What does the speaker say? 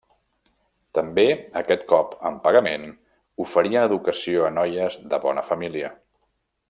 També, aquest cop amb pagament, oferien educació a noies de bona família.